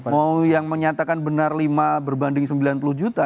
mau yang menyatakan benar lima berbanding sembilan puluh juta